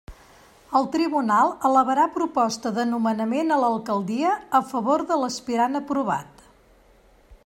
El tribunal elevarà proposta de nomenament a l'Alcaldia a favor de l'aspirant aprovat.